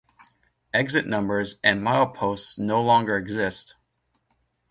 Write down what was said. Exit numbers and mileposts no longer exist.